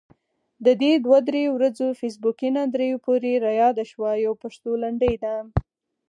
د دې دوه درې ورځو فیسبوکي ناندريو پورې رایاده شوه، يوه پښتو لنډۍ ده: